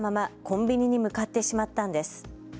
コンビニに向かってしまったんです。